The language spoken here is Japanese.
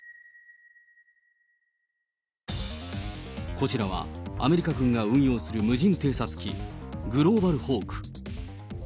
こちらはアメリカ軍が運用する無人偵察機、グローバルホーク。